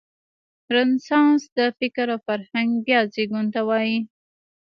رنسانس د فکر او فرهنګ بیا زېږون ته وايي.